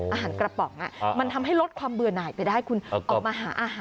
อาหารกระป๋องมันทำให้ลดความเบื่อหน่ายไปได้คุณออกมาหาอาหาร